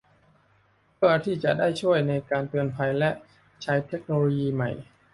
เพื่อที่จะได้ช่วยในการเตือนภัยและการใช้เทคโนโลยีใหม่